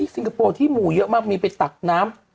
ซิงคโปร์ที่หมู่เยอะมากมีไปตักน้ำ